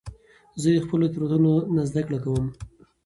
زه د خپلو تیروتنو نه زده کړه کوم.